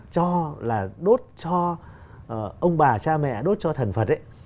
cho là đốt cho ông bà cha mẹ đốt cho thần vật ấy